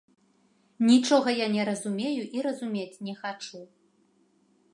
Нічога я не разумею і разумець не хачу.